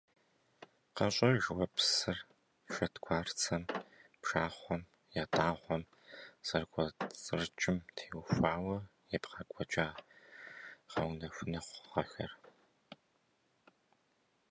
КъэщӀэж уэ псыр шэдгуарцэм, пшахъуэм, ятӀагъуэм зэрыкӀуэцӀрыкӀым теухуауэ ебгъэкӀуэкӀа гъэунэхуныгъэхэр.